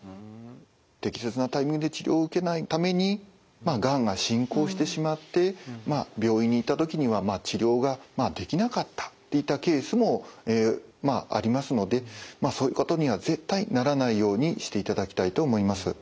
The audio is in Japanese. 適切なタイミングで治療を受けないためにがんが進行してしまって病院に行った時には治療ができなかったといったケースもありますのでそういうことには絶対ならないようにしていただきたいと思います。